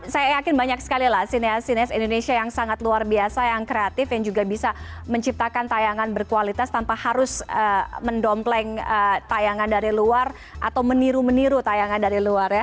saya yakin banyak sekali lah sinias sinias indonesia yang sangat luar biasa yang kreatif yang juga bisa menciptakan tayangan berkualitas tanpa harus mendompleng tayangan dari luar atau meniru meniru tayangan dari luar ya